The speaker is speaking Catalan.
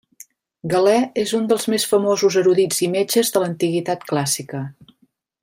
Galè és un dels més famosos erudits i metges de l'antiguitat clàssica.